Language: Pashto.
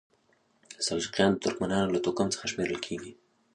سلجوقیان د ترکمنانو له توکم څخه شمیرل کیږي.